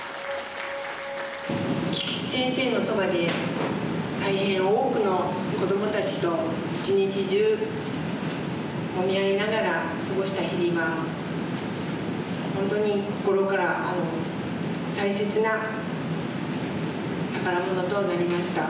菊池先生のそばで大変多くの子どもたちと一日中もみ合いながら過ごした日々は本当に心から大切な宝物となりました。